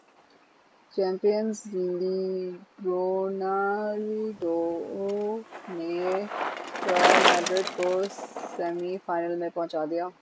champions league Ronaldo نے Real Madrid کوسیمی final میں پہنچادیا